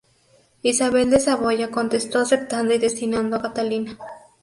Isabel de Saboya contestó aceptando y destinando a Catalina.